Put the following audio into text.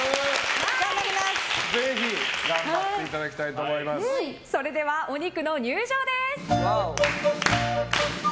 ぜひ頑張っていただきたいとそれでは、お肉の入場です！